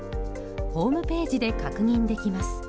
ホームページで確認できます。